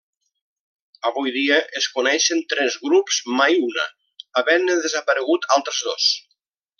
Avui dia es coneixen tres grups Mai huna, havent desaparegut altres dos.